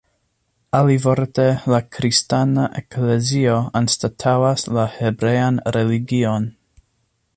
Alivorte, la kristana eklezio anstataŭas la hebrean religion.